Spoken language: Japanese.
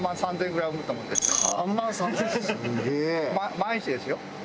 毎日ですよ。